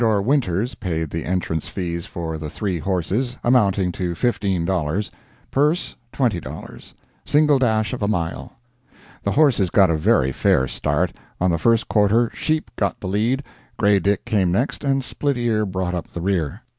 Winters paid the entrance fees for the three horses, amounting to $15; purse, $20; single dash of a mile. The horses got a very fair start; on the first quarter "Sheep" got the lead, "Grey Dick" came next, and "Split ear" brought up the rear.